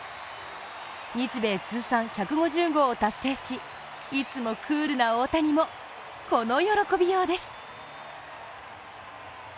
日米通算１５０号を達成し、いつもクールな大谷もこの喜びようです。